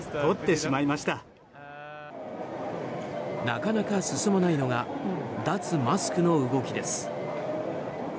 なかなか進まないのが脱マスクの動きです。